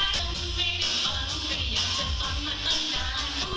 รู้ว่าคงไม่ยากกันใหม่